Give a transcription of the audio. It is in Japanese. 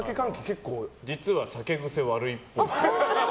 実は酒癖悪いっぽい。